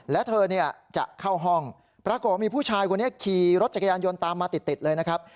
และเธอเนี่ยจะเข้าห้องปรากฏว่ามีผู้ชายคนนี้ขี่รถจักรยานยนต์ตามมาติดเลยนะครับ